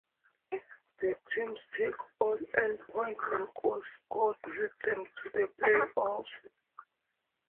The teams take all earned points and goals scored with them to the playoffs.